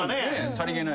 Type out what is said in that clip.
さり気ない。